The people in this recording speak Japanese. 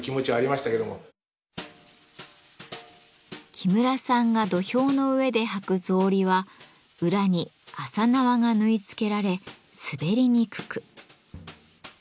木村さんが土俵の上で履く草履は裏に麻縄が縫い付けられ滑りにくく。